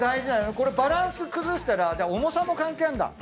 これバランス崩したら重さも関係あるんだ？